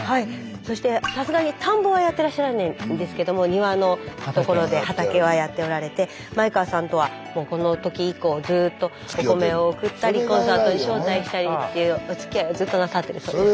そしてさすがに田んぼはやってらっしゃらないんですけども庭のところで畑はやっておられて前川さんとはもうこの時以降ずっとお米を贈ったりコンサートに招待したりっていうおつきあいをずっとなさってるそうです。